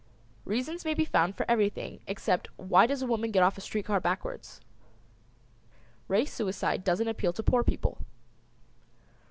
Reasons may be found for everything except why does a woman get off a street car backwards. Race suicide doesn't appeal to poor people.